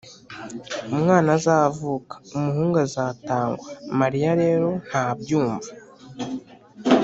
umwana azavuka, umuhungu azatangwa ». mariya rero ntabyumva